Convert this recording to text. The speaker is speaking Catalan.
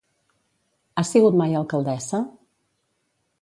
Ha sigut mai alcaldessa?